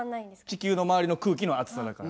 地球の周りの空気の厚さだから。